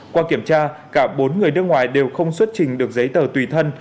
qua kiểm tra cả bốn người nước ngoài đều không xuất trình được giấy tờ tùy thân